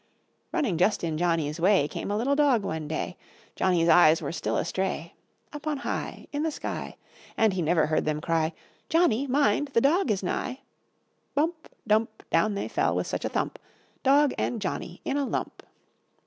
Running just in Johnny's way Came a little dog one day; Johnny's eyes were still astray Up on high, In the sky; And he never heard them cry "Johnny, mind, the dog is nigh!" Bump! Dump! Down they fell, with such a thump, Dog and Johnny in a lump!